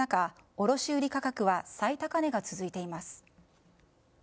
卸売価格は最高値が続いています。